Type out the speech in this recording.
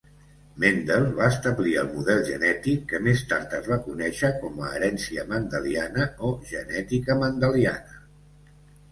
Mendel va establir el model genètic que més tard es va conèixer com a herència mendeliana o genètica mendeliana.